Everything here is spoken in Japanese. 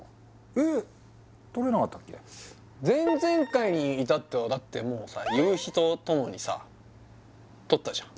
えっ前々回にいたってはだってもうさ夕日とともにさ撮ったじゃん